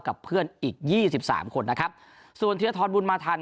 กับเพื่อนอีกยี่สิบสามคนนะครับส่วนธีรทรบุญมาทัน